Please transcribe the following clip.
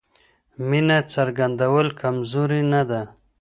مینه څرګندول کمزوري نه ده.